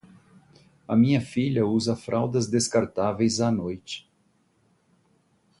A minha filha usa fraldas descartáveis à noite.